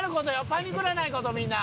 パニクらない事みんな。